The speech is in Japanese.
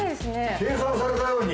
計算されたように。